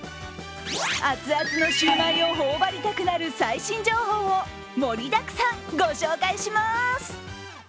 熱々のシュウマイを頬ばりたくなる最新情報を盛りだくさん、ご紹介します。